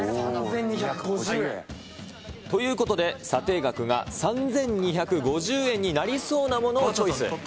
３２５０円。ということで、査定額が３２５０円になりそうなものをチョイス。